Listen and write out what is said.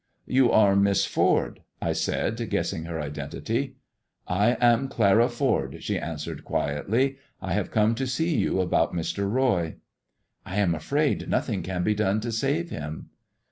" You are Miss Ford V* 1 said, guessing her identity. " I am Clara Ford,'* she answered quietly. " I have come to see you about Mr. Roy." " I am afraid nothing can be done to save him."